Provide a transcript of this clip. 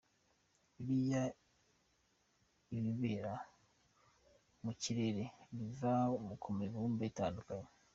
Buriya ibibera mu kirere, biva ku mibumbe itandukanye.